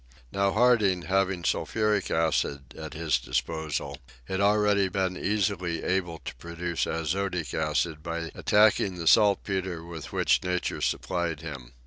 Now, Harding having sulphuric acid at his disposal, had already been easily able to produce azotic acid by attacking the saltpeter with which nature supplied him.